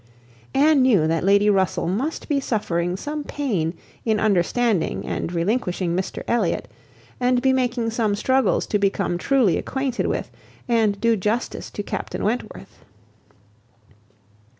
Anne knew that Lady Russell must be suffering some pain in understanding and relinquishing Mr Elliot, and be making some struggles to become truly acquainted with, and do justice to Captain Wentworth.